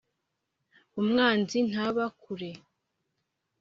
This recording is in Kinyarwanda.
Umwanzi ntaba kure.